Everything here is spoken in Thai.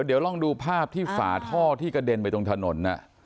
เดี๋ยวลองดูภาพที่ฝาท่อที่กระเด็นไปตรงถนน